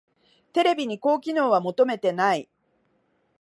テレビに高機能は求めてない